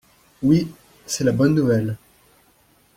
Oui, c'est la bonne nouvelle.